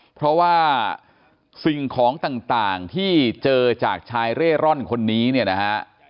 เพราะว่าสิ่งของต่างที่เจอจากชายเร่ร่อนคนนี้เนี่ยนะฮะ